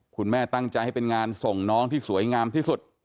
คุณแม่ตั้งใจให้เป็นงานส่งน้องที่สวยงามที่สุด